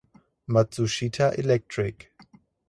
Matsushita Electric